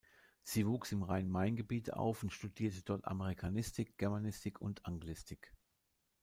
Sie wuchs im Rhein-Main-Gebiet auf und studierte dort Amerikanistik, Germanistik und Anglistik.